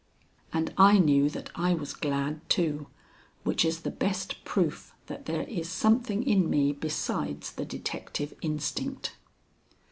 And I knew that I was glad, too, which is the best proof that there is something in me besides the detective instinct.